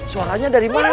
suaranya dari mana ya